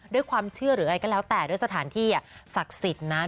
ด้วยความเชื่อหรืออะไรก็แล้วแต่ด้วยสถานที่ศักดิ์สิทธิ์นะ